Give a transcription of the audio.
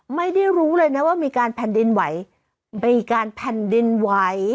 ไม่ได้รู้เลยนะว่ามีการแผ่นดินไหวมีการแผ่นดินไหว